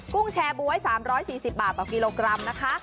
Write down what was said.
กุ้งแชร์บ๊วย๓๔๐บาทต่อกิโลกรัมนะคะ